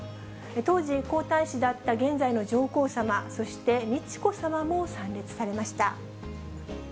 当時皇太子だった現在の上皇さま、そして美智子さまも参列されまし